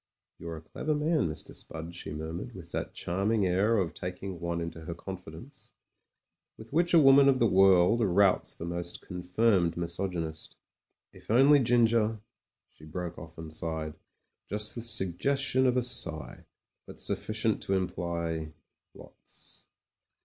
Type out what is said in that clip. You're a clever man, Mr. Spud," she murmured, with that charming air of taking one into her con fidence, with which a woman of the world routs the most confirmed misogjmist "If only Ginger " She broke off and sighed: just the suggestion of a sigh ; but sufficient to imply — ^lots.